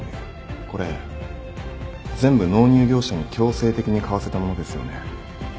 これ全部納入業者に強制的に買わせたものですよね。